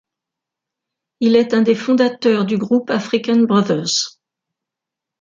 Il est un des fondateurs du groupe African Brothers.